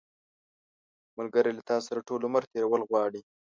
ملګری له تا سره ټول عمر تېرول غواړي